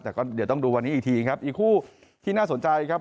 แต่ก็เดี๋ยวต้องดูวันนี้อีกทีครับอีกคู่ที่น่าสนใจครับ